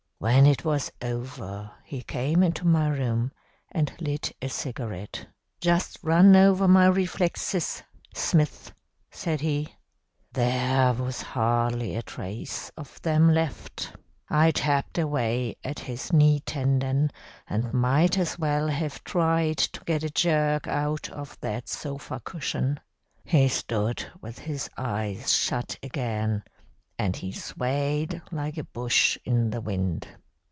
"When it was over he came into my room and lit a cigarette. "'Just run over my reflexes, Smith,' said he. "There was hardly a trace of them left. I tapped away at his knee tendon and might as well have tried to get a jerk out of that sofa cushion. He stood with his eyes shut again, and he swayed like a bush in the wind.